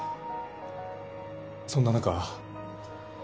そんな中。